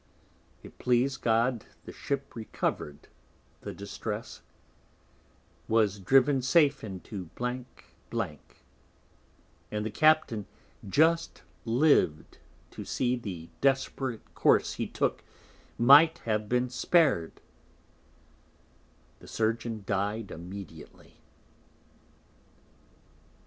It pleas'd God the Ship recover'd the Distress, was driven safe into and the Captain just liv'd to see the desperate Course he took might have been spar'd; the Surgeon died immediately.